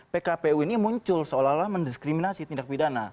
pkpu ini muncul seolah olah mendiskriminasi tindak pidana